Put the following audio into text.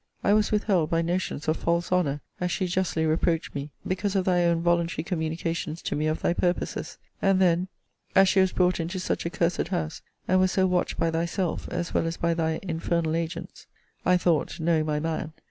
I was with held by notions of false honour, as she justly reproached me, because of thy own voluntary communications to me of thy purposes: and then, as she was brought into such a cursed house, and was so watched by thyself, as well as by thy infernal agents, I thought (knowing my man!)